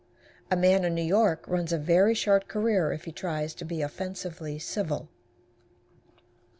A man in New York runs a very short career if he tries to be offensively civil.